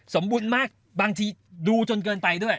สมบูรณ์มากบางทีดูจนเกินไปด้วย